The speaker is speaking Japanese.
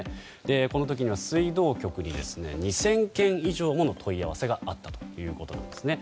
この時には水道局に２０００件以上もの問い合わせがあったということです。